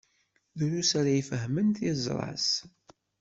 Drus ara ifehmen tiẓra-s.